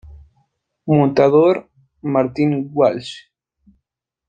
Montador: Martin Walsh.